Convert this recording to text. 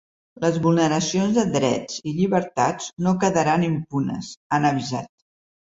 Les vulneracions de drets i llibertats no quedaran impunes, han avisat.